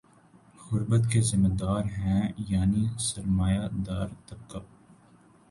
غربت کے ذمہ دار ہیں یعنی سر ما یہ دار طبقہ